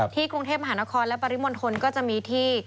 กรุงเทพมหานครและปริมณฑลก็จะมีที่